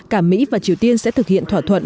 cả mỹ và triều tiên sẽ thực hiện thỏa thuận